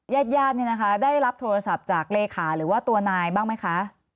ญาติญาติได้รับโทรศัพท์จากเลขาหรือว่าตัวนายบ้างไหมคะ